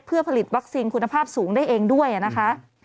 เพื่อผลิตวัคซีนคุณภาพสูงได้เองด้วยนะคะ